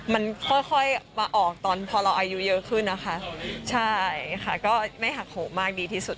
มันค่อยค่อยมาออกตอนพอเราอายุเยอะขึ้นนะคะใช่ค่ะก็ไม่หักโหมากดีที่สุด